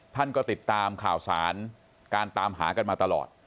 ท่านก็ติดตามข่าวสารการตามหากันมาตลอด